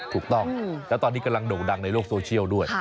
ถูกต้องแล้วตอนนี้กำลังโด่งดังในโลกโซเชียลด้วย